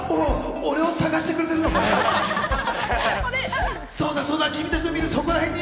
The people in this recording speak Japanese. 俺を探してくれてるのかい？